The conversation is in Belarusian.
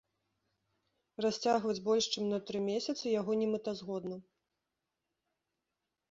Расцягваць больш чым на тры месяцы яго немэтазгодна.